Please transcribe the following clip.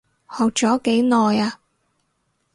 學咗幾耐啊？